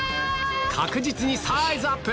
確実にサイズアップ！